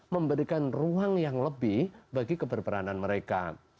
memberikan ruang yang lebih bagi keberperanan mereka